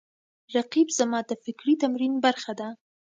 رقیب زما د فکري تمرین برخه ده